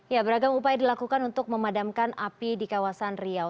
ya beragam upaya dilakukan untuk memadamkan api di kawasan riau